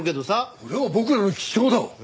これは僕らの記章だ！